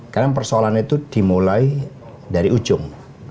karena persoalan itu dimulai dari ujung